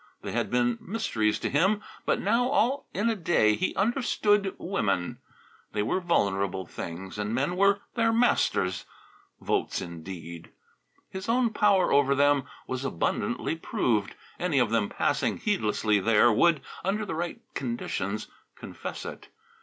They had been mysteries to him, but now, all in a day, he understood women. They were vulnerable things, and men were their masters. Votes, indeed! His own power over them was abundantly proved. Any of them passing heedlessly there would, under the right conditions, confess it.